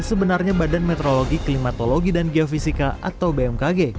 sebenarnya badan meteorologi klimatologi dan geofisika atau bmkg